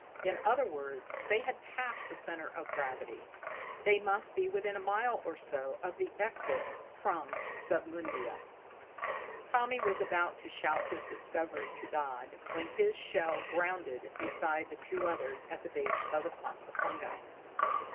In other words, they had passed the center of gravity: they must be within a mile or so of the exit from Submundia! Tommy was about to shout his discovery to Dodd when his shell grounded beside the two others, at the base of the clump of fungi.